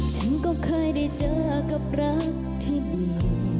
ฉันก็เคยได้เจอกับรักที่ดี